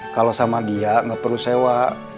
kalau sama dia nggak perlu sewa